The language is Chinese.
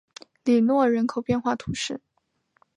里诺人口变化图示